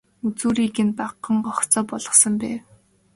Үзүүрийг нь багахан гогцоо болгосон байв.